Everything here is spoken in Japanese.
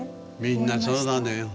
みんなそうなのよ。